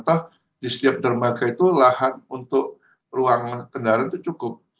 toh di setiap dermaga itu lahan untuk ruang kendaraan itu cukup